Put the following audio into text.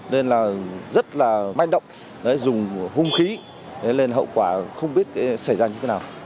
nên là rất là manh động dùng hung khí lên hậu quả không biết xảy ra như thế nào